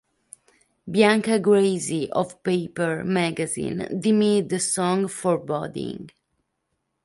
Bianca Gracie of "Paper" magazine deemed the song "foreboding".